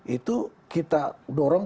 itu kita dorong